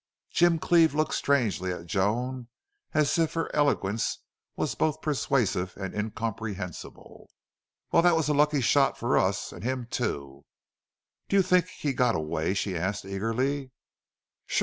Jim Cleve looked strangely at Joan, as if her eloquence was both persuasive and incomprehensible. "Well, that was a lucky shot for us and him, too." "Do you think he got away?" she asked, eagerly. "Sure.